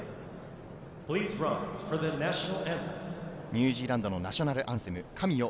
ニュージーランドのナショナルアンセム、『神よ